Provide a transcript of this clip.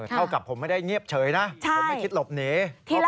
เท่ากับผมไม่ได้เงียบเฉยนะผมไม่คิดหลบหนี